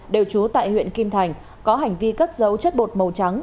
đều trú tại huyện kim thành có hành vi cất dấu chất bột màu trắng